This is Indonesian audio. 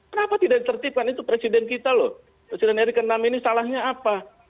kenapa tidak ditertibkan itu presiden kita loh presiden ri ke enam ini salahnya apa